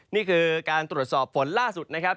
นี่คือการตรวจสอบฝนล่าสุดนะครับ